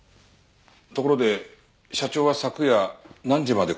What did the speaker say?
ところで社長は昨夜何時までこちらに？